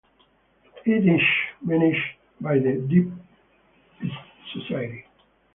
It is managed by the dps society.